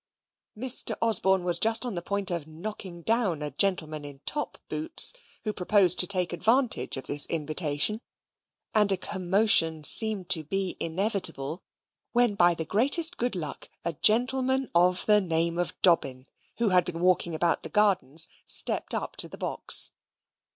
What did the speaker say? Mr. Osborne was just on the point of knocking down a gentleman in top boots, who proposed to take advantage of this invitation, and a commotion seemed to be inevitable, when by the greatest good luck a gentleman of the name of Dobbin, who had been walking about the gardens, stepped up to the box.